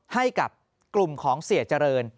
ให้กับกลุ่มของเสียเจริญ